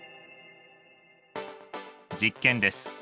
実験です。